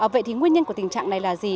vậy thì nguyên nhân của tình trạng này là gì